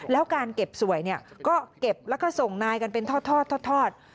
แล้วการเก็บสวยก็เก็บแล้วก็ส่งนายกันเป็นทอด